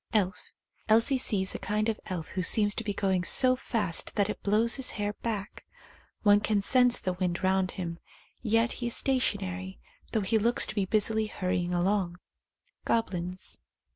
Elf. Elsie sees a kind of elf who seems to be going so fast that it blows his hair back ; one can sense the wind round him, yet he is stationary, though he looks to be busily hur rying along. Goblins.